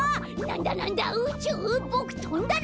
なんだなんだ？